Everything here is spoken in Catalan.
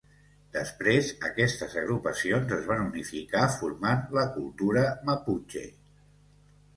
Després aquestes agrupacions es van unificar formant la cultura maputxe.